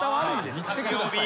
見てください。